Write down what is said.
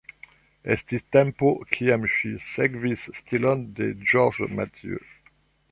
Estis tempo, kiam ŝi sekvis stilon de Georges Mathieu.